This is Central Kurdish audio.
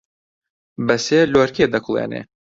بەسێ لۆرکێ دەکوڵێنێ